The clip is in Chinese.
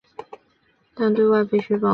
但是对外必须保密。